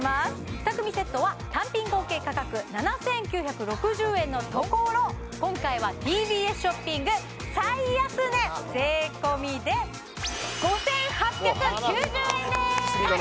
２組セットは単品合計価格７９６０円のところ今回はＴＢＳショッピング最安値税込で５８９０円です！